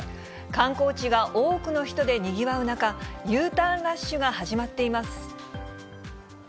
観光地が多くの人でにぎわう中、Ｕターンラッシュが始まっています。